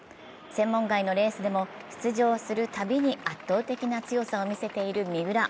専門外のレースでも出場するたびに圧倒的な強さを見せている三浦。